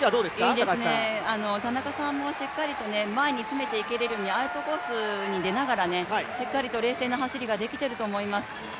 いいですね、田中さんもしっかりと前に詰めていけるのにアウトコースに出ながらしっかりと冷静な走りができていると思います。